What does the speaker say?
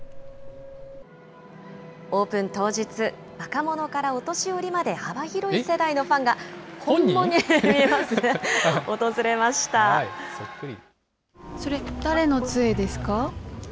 オープン当日、若者からお年寄りまで、幅広い世代のファンが、本物に見えますね、そっくり。